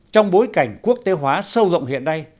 trong bối cảnh quốc tế hóa sâu rộng hiện nay